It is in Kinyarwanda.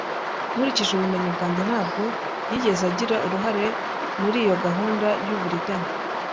Nkurikije ubumenyi bwanjye, ntabwo yigeze agira uruhare muri iyo gahunda y'uburiganya.